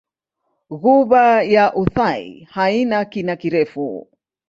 Ghuba ya Uthai haina kina kirefu.